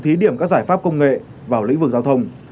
thí điểm các giải pháp công nghệ vào lĩnh vực giao thông